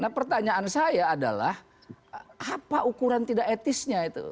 nah pertanyaan saya adalah apa ukuran tidak etisnya itu